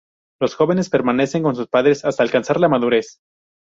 Los jóvenes permanecen con su padres hasta alcanzar la madurez.